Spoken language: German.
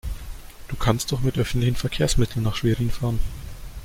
Du kannst doch mit öffentlichen Verkehrsmitteln nach Schwerin fahren